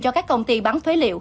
cho các công ty bán phế liệu